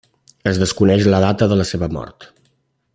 Es desconeix la data de la seva mort.